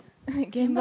現場。